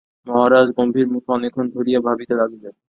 মহারাজ গম্ভীরমুখে অনেকক্ষণ ধরিয়া ভাবিতে লাগিলেন।